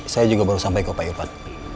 saya juga baru sampai ke upaya upad